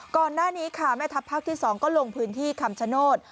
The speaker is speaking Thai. ก่อนหน้านี้ค่ะแม่ทัพภาคที่๒ก็ลงพื้นที่คำชโนธ